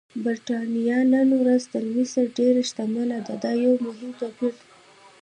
برېټانیا نن ورځ تر مصر ډېره شتمنه ده، دا یو مهم توپیر دی.